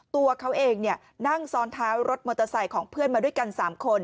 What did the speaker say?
ตัวเขาเองนั่งซ้อนท้ายรถมอเตอร์ไซค์ของเพื่อนมาด้วยกัน๓คน